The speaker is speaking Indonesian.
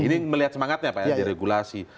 ini melihat semangatnya pak ya deregulasi